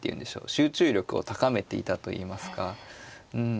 集中力を高めていたといいますかうん